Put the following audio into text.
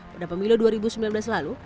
pada pemilu dua ribu sembilan belas lalu